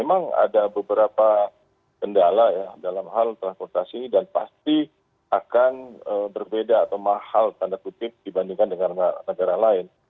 memang ada beberapa kendala ya dalam hal transportasi dan pasti akan berbeda atau mahal tanda kutip dibandingkan dengan negara lain